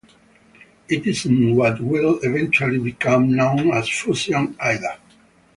It isn't what will eventually become known as fusion, either.